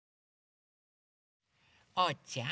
おうちゃん！